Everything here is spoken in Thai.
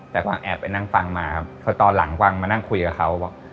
แต่ความแอบไปนั่งฟังมาครับเพราะตอนหลังความมานั่งคุยกับเขา